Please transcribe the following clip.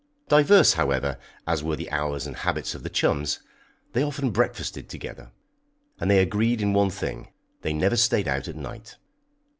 Diverse, however, as were the hours and habits of the chums, they often breakfasted together, and they agreed in one thing they never stayed out at night.